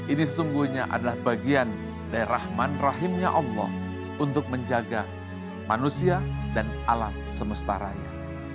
ini sesungguhnya adalah bagian dari rahman rahimnya allah untuk menjaga manusia dan alam semesta raya